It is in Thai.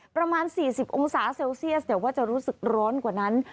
ประมาณ๔๐องศาเซลเซียสแต่ว่าจะรู้สึกร้อนกว่านั้น